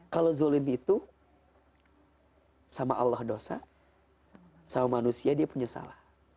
kalau zolim itu sama allah dosa sama manusia dia punya salah